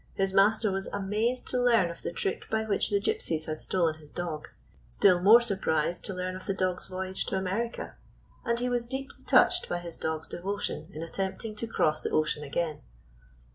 His master was amazed to learn of the trick by which the Gypsies had stolen his dog, still more surprised to learn of the dog's voyage to America, and he was deeply touched by his dog's devotion in attempting to cross the ocean again.